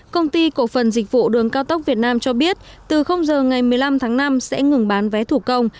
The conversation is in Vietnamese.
công ty cổ phần dịch vụ đường cao tốc việt nam cho biết từ giờ ngày một mươi năm tháng năm sẽ ngừng bán vé thủ công